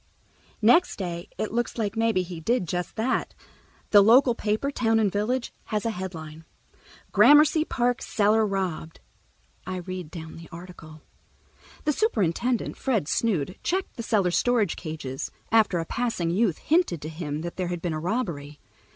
Next day it looks like maybe he did just that. The local paper, Town and Village, has a headline: "Gramercy Park Cellar Robbed." I read down the article: "The superintendent, Fred Snood, checked the cellar storage cages, after a passing youth hinted to him that there had been a robbery.